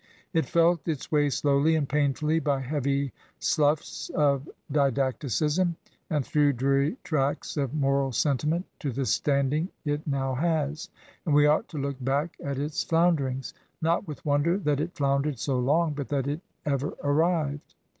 It felt its way slowly and painfully by heavy sloughs of di dacticism and through dreary tracts of moral sentiment to the standing it now has, and we ought to look baclc at its flounderings, not with wonder that it floundered so long, but that it ever arrived.